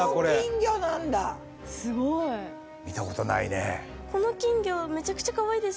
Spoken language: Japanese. すごい！見た事ないね。